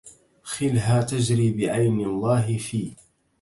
خلها تجري بعين الله في